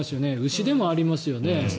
牛でもありますよね。